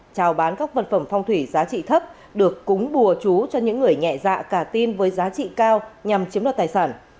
trào bán các vật phẩm phong thủy giá trị thấp được cúng bùa chú cho những người nhẹ dạ cả tin với giá trị cao nhằm chiếm đoạt tài sản